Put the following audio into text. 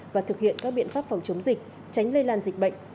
và thực hiện các biện pháp phòng chống dịch tránh lây lan dịch bệnh